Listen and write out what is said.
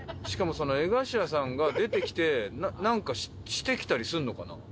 しかもその江頭さんが出てきてなんかしてきたりするのかな？